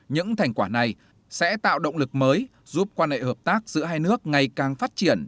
những thành quả này sẽ tạo động lực mới giúp quan hệ hợp tác giữa hai nước ngày càng phát triển